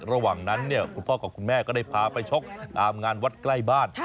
ระหว่างนั้นเนี่ยคุณพ่อกับคุณแม่ก็ได้พาไปชกตามงานวัดใกล้บ้าน